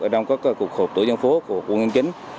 ở trong các cuộc hộp tổ dân phố của quân an chính